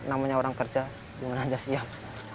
namanya orang kerja dimana saja siap